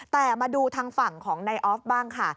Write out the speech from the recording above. แต่มาดูทางฝั่งของนายออฟบ้างค่ะ